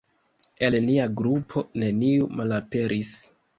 El nia grupo neniu malaperis!